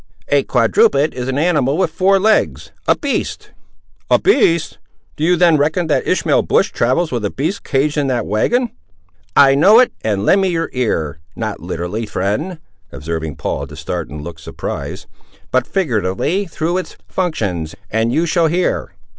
"A quadruped is an animal with four legs—a beast." "A beast! Do you then reckon that Ishmael Bush travels with a beast caged in that wagon?" "I know it, and lend me your ear—not literally, friend," observing Paul to start and look surprised, "but figuratively, through its functions, and you shall hear.